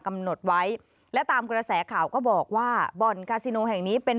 กำหนดไว้และตามกระแสข่าวก็บอกว่าบ่อนคาซิโนแห่งนี้เป็น